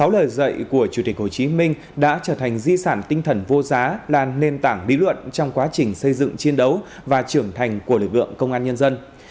sáu lời dạy của chủ tịch hồ chí minh đã trở thành di sản tinh thần vô giá là nền tảng lý luận trong quá trình xây dựng chiến đấu và trưởng thành của lực lượng công an nhân dân